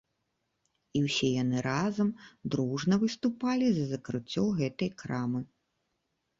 І ўсе яны разам, дружна выступалі за закрыццё гэтай крамы.